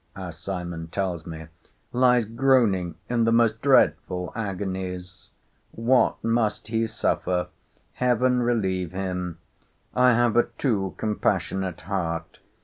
as Simon tells me, lies groaning in the most dreadful agonies!—What must he suffer!—Heaven relieve him!—I have a too compassionate heart.